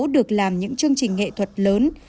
được làm những chương trình nghệ thuật lớn